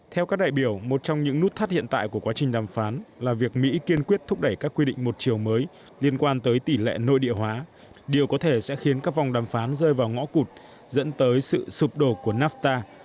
theo các đại biểu một trong những nút thắt hiện tại của quá trình đàm phán là việc mỹ kiên quyết thúc đẩy các quy định một chiều mới liên quan tới tỷ lệ nội địa hóa điều có thể sẽ khiến các vòng đàm phán rơi vào ngõ cụt dẫn tới sự sụp đổ của nafta